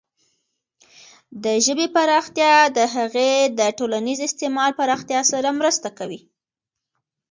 د ژبې پراختیا د هغې د ټولنیز استعمال پراختیا سره مرسته کوي.